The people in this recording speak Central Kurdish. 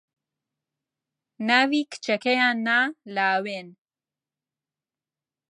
ناوی کچەکەیان نا لاوێن